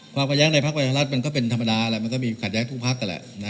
ความกระแย้งในภาคประหรัฐมันก็เป็นธรรมดามันก็มีขัดแย้งทุกภาคนั่นแหละ